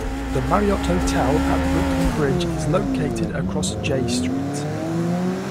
The Marriott Hotel at Brooklyn Bridge is located across Jay Street.